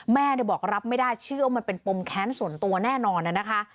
แม่บอกรับไม่ได้เชื่อว่ามันเป็นปมแค้นส่วนตัวแน่นอนนะคะ